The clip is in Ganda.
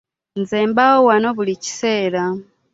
Nze mbaawo wano buli kaseera.